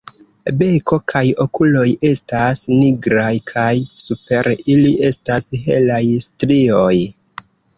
Beko kaj okuloj estas nigraj kaj super ili estas helaj strioj.